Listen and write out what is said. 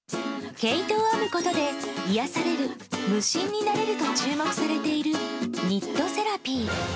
毛糸を編むことで癒やされる無心になれると注目されているニットセラピー。